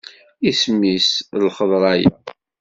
Isem-is i lxeḍra-ya?